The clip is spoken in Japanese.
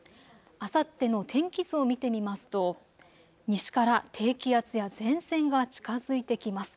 あさっての天気図を見てみますと西から低気圧や前線が近づいてきます。